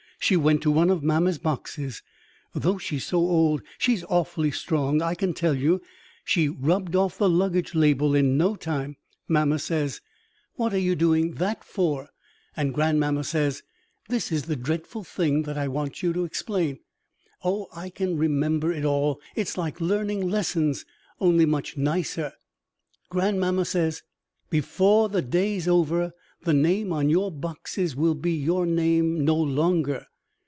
She went to one of mamma's boxes. Though she's so old, she's awfully strong, I can tell you. She rubbed off the luggage label in no time. Mamma says, 'What are you doing that for?' And grandmamma says this is the dreadful thing that I want you to explain; oh, I can remember it all; it's like learning lessons, only much nicer grandmamma says, 'Before the day's over, the name on your boxes will be your name no longer.